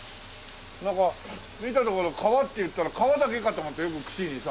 なんか見たところ「かわ」っていったら皮だけかと思ってよく串にさ。